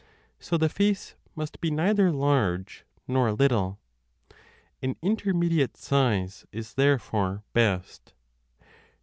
So the face must be neither large nor little : an intermediate size is therefore best.